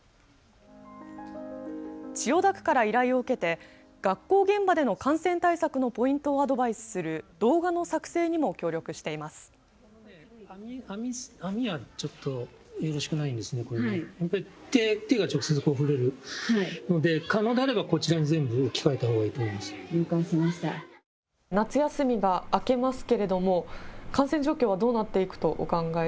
千代田区から依頼を受けて学校現場での感染対策のポイントをアドバイスする動画の作成にも協力しています。